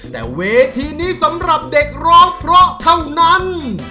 แต่เวทีนี้สำหรับเด็กร้องเพราะเท่านั้น